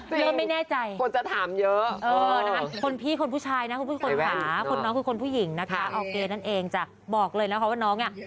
เรื่องไม่แน่ใจคุณพี่ค่ะคนน้องคือคนผู้หญิงนะคะออร์เก๊นั่นเองจ้ะบอกเลยนะครับว่าน้องเนี่ย